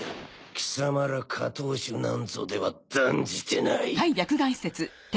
貴様ら下等種なんぞでは断じてない。